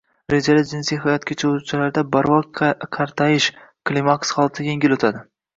Rejali jinsiy hayot kechiruvchilarda barvaqt qartayish – klimaks holati yengil o‘tadi.